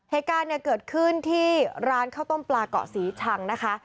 เหตุการณ์เนี่ยเกิดขึ้นที่ร้านข้าวต้มปลาเกาะศรีชังนะคะ